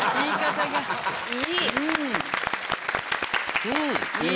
いい！